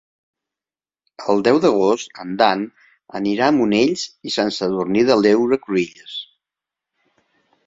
El deu d'agost en Dan anirà a Monells i Sant Sadurní de l'Heura Cruïlles.